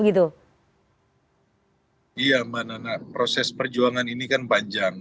iya mbak nana proses perjuangan ini kan panjang